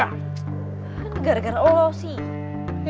hah gara gara allah sih